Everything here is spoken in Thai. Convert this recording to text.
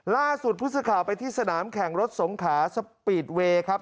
ล่าสุดผู้สื่อข่าวไปที่สนามแข่งรถสงขาสปีดเวย์ครับ